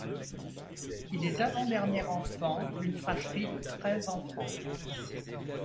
Il est avant-dernier enfant d'une fratrie de treize enfants.